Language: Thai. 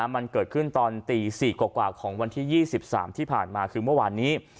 มันเกิดขึ้นตอนตี๔กว่าของวันที่๒๓ที่ผ่านมาคือเมื่อวานนี้